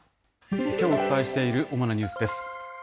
きょうお伝えしている主なニュースです。